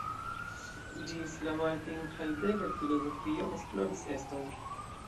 Ĝis la Martin Heidegger filozofio esploris eston.